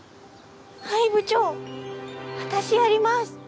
はい部長私やります！